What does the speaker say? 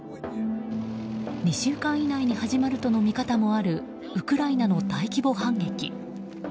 ２週間以内に始まるとの見方もあるウクライナの大規模反撃。